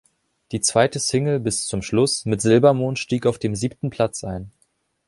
Die zweite Single "Bis zum Schluss" mit Silbermond stieg auf dem siebten Platz ein.